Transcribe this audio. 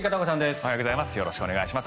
おはようございます。